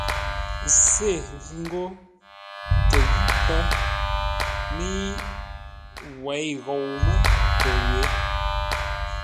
Sê ghʉ ńgó, ə́ kə ghî pə́, mə́i wěi ghou mə́ pəwě.